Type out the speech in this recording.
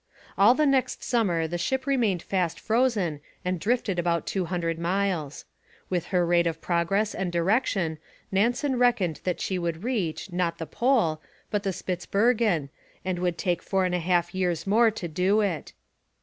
All the next summer the ship remained fast frozen and drifted about two hundred miles. With her rate of progress and direction, Nansen reckoned that she would reach, not the Pole, but Spitzbergen, and would take four and a half years more to do it.